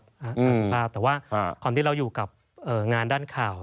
สภาพแต่ว่าความที่เราอยู่กับงานด้านข่าว